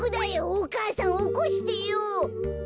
お母さんおこしてよ。